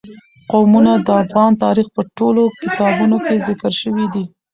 قومونه د افغان تاریخ په ټولو کتابونو کې ذکر شوي دي.